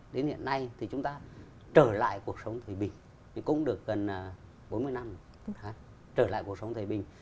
đến hiện nay thì chúng ta trở lại cuộc sống thời bình cũng được gần bốn mươi năm trở lại cuộc sống thời bình